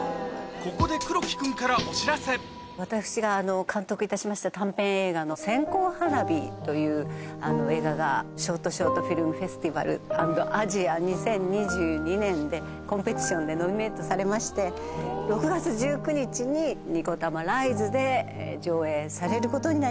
ここで黒木君からお知らせ私が監督いたしました短編映画の『線香花火』という映画が「ショートショートフィルムフェスティバル＆アジア２０２２」でコンペティションでノミネートされまして６月１９日にニコタマライズで上映されることになりました。